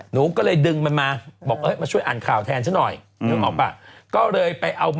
หนูก็เลยดึงมันมาบอกมาช่วยอ่านข่าวแทนฉันหน่อย